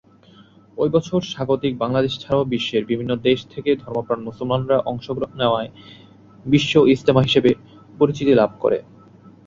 ওই বছর স্বাগতিক বাংলাদেশ ছাড়াও বিশ্বের বিভিন্ন দেশ থেকে ধর্মপ্রাণ মুসলমানরা অংশ নেওয়ায় ‘বিশ্ব ইজতেমা’ হিসেবে পরিচিতি লাভ করে।